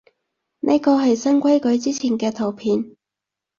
呢個係新規則之前嘅圖片